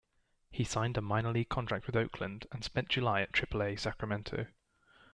He signed a minor league contract with Oakland and spent July at Triple-A Sacramento.